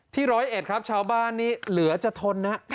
ร้อยเอ็ดครับชาวบ้านนี้เหลือจะทนนะ